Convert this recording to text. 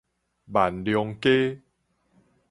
萬隆街